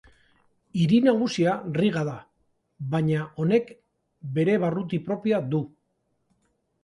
Hiri nagusia Riga da, baina honek bere barruti propioa du.